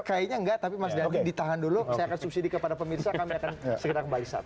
kayaknya enggak tapi mas dandi ditahan dulu saya akan subsidi kepada pemirsa kami akan segera kembali saat ini